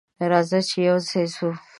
راځه چې یوځای ځو.